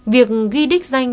việc ghi đích danh